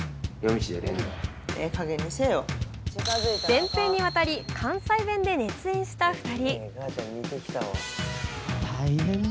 全編にわたり関西弁で熱演した２人。